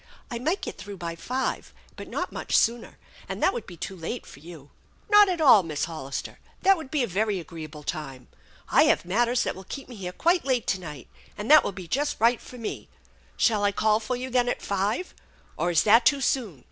I might get through by five, but not much sooner, and that would be too late for you." " Not at all, Miss Hollister. That would be a very agree able time. I have matters that will keep me here quite late to night, and that will be just right for me. Shall I call for you, then, at five ? Or is that too soon